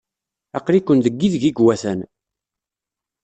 Aql-iken deg yideg ay iwatan.